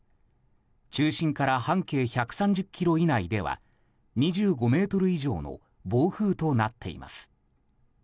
中心から半径１３０ｋｍ以内では２５メートル以上の暴風となっています。